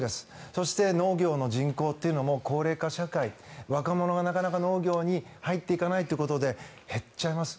そして、農業の人口というのも高齢化社会若者がなかなか農業に入っていかないということで減っちゃいます。